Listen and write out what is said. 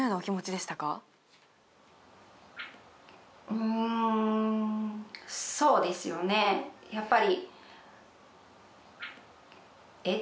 うんそうですよねやっぱり。